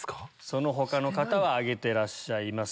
その他の方は挙げてらっしゃいます。